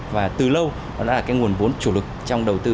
và từ lâu nó là nguồn vốn chủ lực trong đầu tư